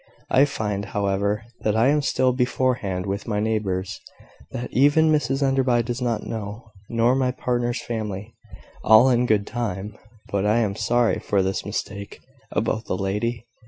I find, however, that I am still beforehand with my neighbours that even Mrs Enderby does not know, nor my partner's family. All in good time: but I am sorry for this mistake about the lady.